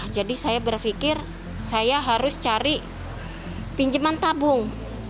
jadi saya berpikir saya harus cari pinjaman tabung